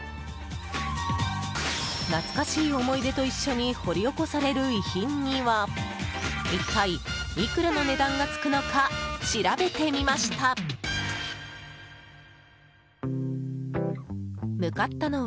懐かしい思い出と一緒に掘り起こされる遺品には一体いくらの値段がつくのか調べてみました。